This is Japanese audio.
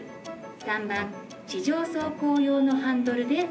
３番地上走行用のハンドルで操作する。